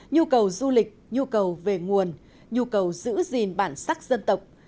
nhu cầu du lịch nhu cầu về nguồn nhu cầu giữ gìn bản sắc dân tộc